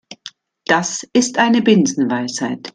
Das ist eine Binsenweisheit.